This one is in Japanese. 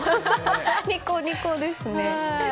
ニコニコですね。